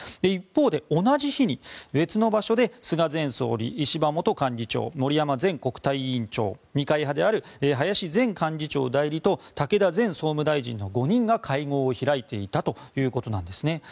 一方で同じ日に別の場所で菅前総理、石破元幹事長森山前国対委員長二階派である林前幹事長代理と武田前総務大臣の５人が会合を開いていたということです。